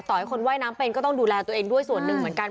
ต่อให้คนว่ายน้ำเป็นก็ต้องดูแลตัวเองด้วยส่วนหนึ่งเหมือนกัน